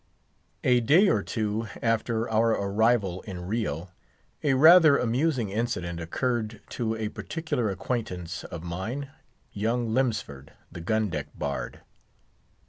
A day or two after our arrival in Rio, a rather amusing incident occurred to a particular acquaintance of mine, young Lemsford, the gun deck bard.